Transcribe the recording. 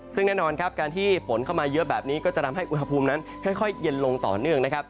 ซึ่งแน่นอนครับการที่ฝนเข้ามาเยอะแบบนี้ก็จะทำให้อุณหภูมินั้นค่อยเย็นลงต่อเนื่องนะครับ